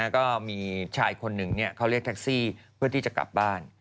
ก็มีชายคนหนึ่งเขาเรียกแท็กซี่เพื่อที่จะกลับบ้าน